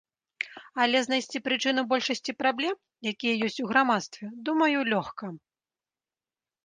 Але знайсці прычыну большасці праблем, якія ёсць у грамадстве, думаю, лёгка.